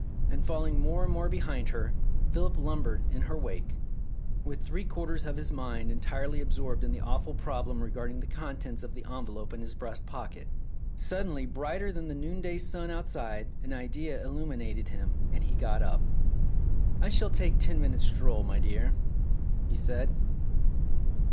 And falling more and more behind her, Philip lumbered in her wake, with three quarters of his mind entirely absorbed in the awful problem regarding the contents of the envelope in his breast pocket. Suddenly, brighter than the noondav outside, an idea illuminated him, and he got up. "I shall take ten minutes' stroll, my dear," he said.